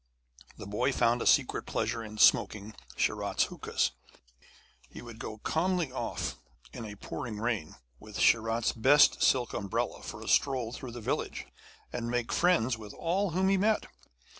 The boy found a secret pleasure in smoking Sharat's hookas; he would calmly go off in pouring rain with Sharat's best silk umbrella for a stroll through the village, and make friends with all whom he met.